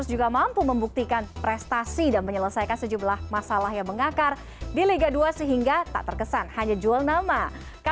salam sehat salam olahraga